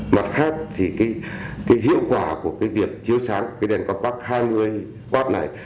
mặt khác hiệu quả của việc chiếu sáng đèn compact hai mươi w này